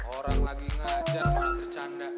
orang lagi ngajar mau bercanda